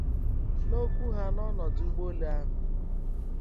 N'okwu ha n'ọdụ ụgbọelu ahụ